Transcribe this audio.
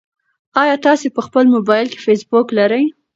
ایا تاسي په خپل موبایل کې فېسبوک لرئ؟